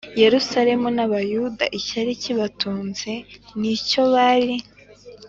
Yerusalemu n Abayuda icyari kibatunze n icyo bari